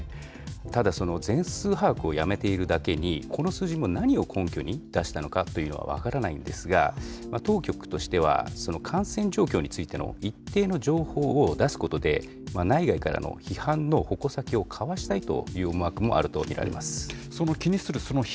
ただ、その全数把握をやめているだけに、この数字も何を根拠に出したのかというのは分からないんですが、当局としては感染状況についての一定の情報を出すことで、内外からの批判の矛先をかわしたいという思惑もあると見られます。